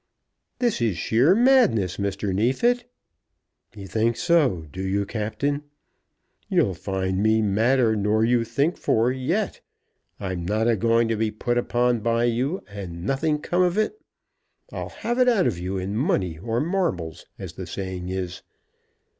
"This is sheer madness, Mr. Neefit." "You think so; do you, Captain? You'll find me madder nor you think for yet. I'm not agoing to be put upon by you, and nothing come of it. I'll have it out of you in money or marbles, as the saying is.